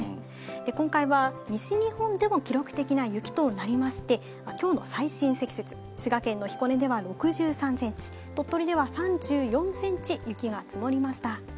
今回は、西日本でも記録的な雪となりまして、きょうの最深積雪、滋賀県の彦根では６３センチ、鳥取では３４センチ、雪が積もりました。